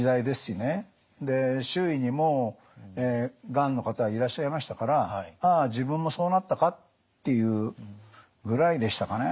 周囲にもがんの方いらっしゃいましたから「ああ自分もそうなったか」っていうぐらいでしたかね。